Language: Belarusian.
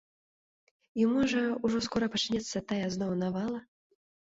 І можа ўжо скора пачнецца тая зноў навала?